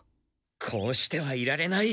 こうしてはいられない。